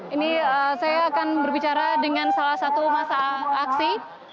ini saya akan berbicara dengan salah satu masa aksi